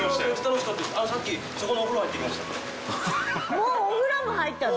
もうお風呂も入ったの？